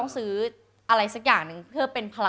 สวัสดีค่ะ